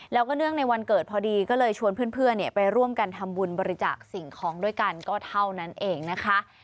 แล้วก็เนื่องในวันเกิดพอดีก็เลยชวนเพื่อนไปร่วมกันทำบุญบริจาคสิ่งของด้วยกันก็เท่านั้นเองนะคะ